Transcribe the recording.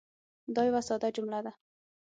دا یوه ساده جمله ده.